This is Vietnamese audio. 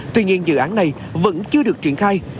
tuy nhiên dự án này vẫn chưa được triển khai